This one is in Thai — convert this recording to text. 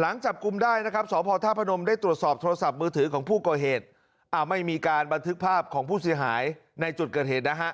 หลังจับกลุ่มได้นะครับสพธาพนมได้ตรวจสอบโทรศัพท์มือถือของผู้ก่อเหตุไม่มีการบันทึกภาพของผู้เสียหายในจุดเกิดเหตุนะฮะ